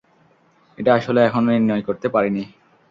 এটা আসলে এখনও নির্ণয় করতে পারিনি।